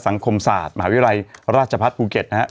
สังคมศาสตร์มหาวิรัยราชพัฒน์ภูเก็ตนะฮะ